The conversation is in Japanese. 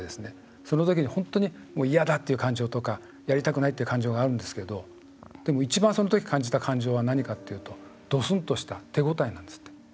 その時に本当に嫌だっていう感情だとかやりたくないっていう感情があるんですけどでも、一番そのとき感じた感情は何かというとドスンとした手応えなんですって。